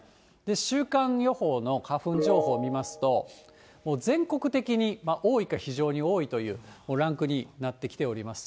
週間予報の花粉情報を見ますと、もう全国的に多いか、非常に多いというランクになってきております。